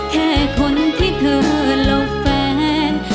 แค่คนที่เธอและแฟน